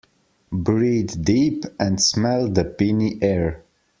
Breathe deep and smell the piny air.